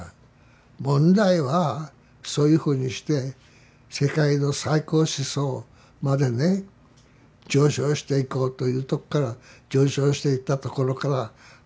問題はそういうふうにして世界の最高思想までね上昇していこうというとこから反転してだね